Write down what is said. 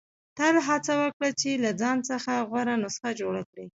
• تل هڅه وکړه چې له ځان څخه غوره نسخه جوړه کړې.